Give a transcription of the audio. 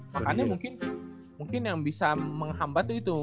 makanya mungkin yang bisa menghambat itu